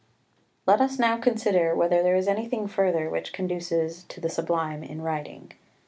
X Let us now consider whether there is anything further which conduces to the Sublime in writing.